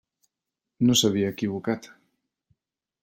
No s'havia equivocat.